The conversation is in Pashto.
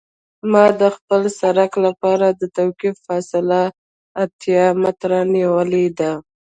ما د خپل سرک لپاره د توقف فاصله اتیا متره نیولې ده